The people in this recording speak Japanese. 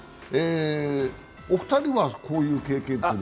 お二人はこういう経験というのは？